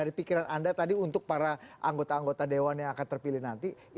dari pikiran anda tadi untuk para anggota anggota dewan yang akan terpilih nanti